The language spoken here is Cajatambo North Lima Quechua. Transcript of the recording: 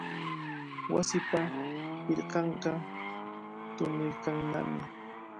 Wasipa pirqanqa tuniykannami.